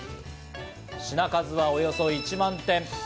品数はおよそ１万点。